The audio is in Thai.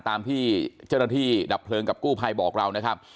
ตามที่เจ้าหน้าที่ดับเพลิงกับกู้ภัยบอกเรานะครับ